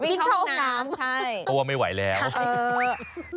วิ่งท้องน้ำใช่เพราะว่าไม่ไหวแล้วเออ